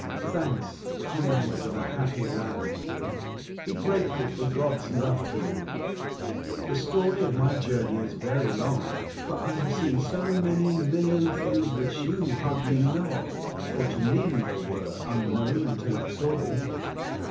" Thanks, comrades of a happy land. Be grateful for God's love to you. The story of my journey is very long, for I have seen so many million things which you hardly know of, for to me they were unknown until I saw them.